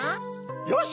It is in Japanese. よし！